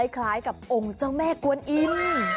คล้ายกับองค์เจ้าแม่กวนอิ่ม